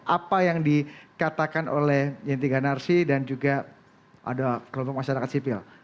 apa yang dikatakan oleh yen tiga narsi dan juga ada kelompok masyarakat sipil